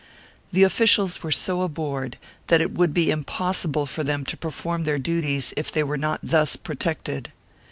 The officials were so abhorred that it would be impossible for them to perform their duties if they were not thus protected.